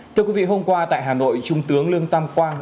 thưa quý vị hôm qua tại hà nội trung tướng lương tam quang